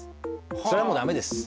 それはもう駄目です。